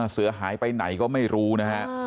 เสือหายไปไหนก็ไม่รู้นะฮะ